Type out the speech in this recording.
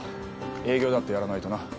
営業だってやらないとな。